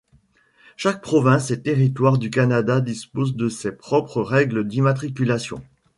Chaque province et territoire du Canada dispose de ses propres règles d’immatriculation.